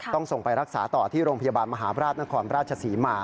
ส่งไปรักษาต่อที่โรงพยาบาลมหาบราชนครราชศรีมา